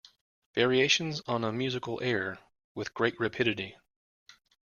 Variations on a musical air With great rapidity.